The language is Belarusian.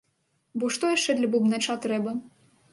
Бо што яшчэ для бубнача трэба?